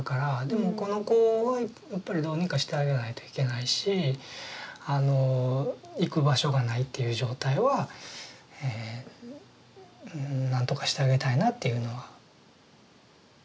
でもこの子はやっぱりどうにかしてあげないといけないしあの行く場所がないっていう状態は何とかしてあげたいなっていうのは。